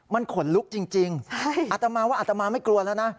มันขนลุกจริงอัตมาว่าอัตมาไม่กลัวแล้วนะ